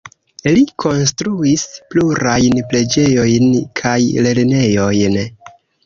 Li konstruis plurajn preĝejojn kaj lernejojn.